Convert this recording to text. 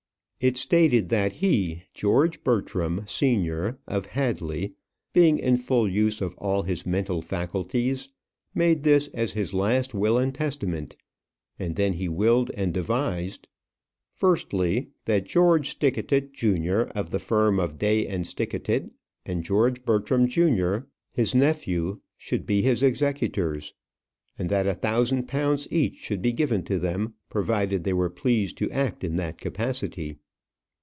It stated that he, George Bertram, senior, of Hadley, being in full use of all his mental faculties, made this as his last will and testament. And then he willed and devised Firstly, that George Stickatit, junior, of the firm of Day and Stickatit, and George Bertram, junior, his nephew, should be his executors; and that a thousand pounds each should be given to them, provided they were pleased to act in that capacity.